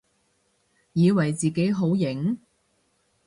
以為自己好型？